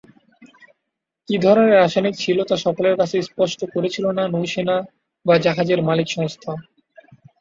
কী ধরনের রাসায়নিক ছিল, তা সকলের কাছে স্পষ্ট করেছিল না নৌসেনা বা জাহাজ মালিক সংস্থা।